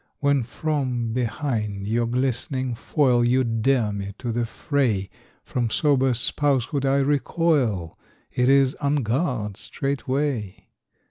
When from behind your glistening foil You dare me to the fray, From sober spousehood I recoil; It is "en garde" straightway.